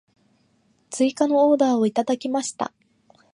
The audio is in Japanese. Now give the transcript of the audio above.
追加のオーダーをいただきました。